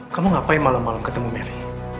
kamu ngapain malam malam ketemu mary